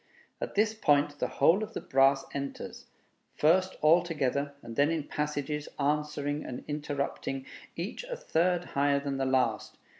At this point the whole of the brass enters, first all together, and then in passages, answering and interrupting, each a third higher than the last.